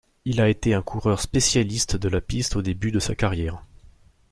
Il a été un coureur spécialiste de la piste au début de sa carrière.